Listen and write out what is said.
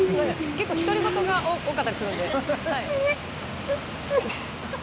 結構独り言が多かったりするんで。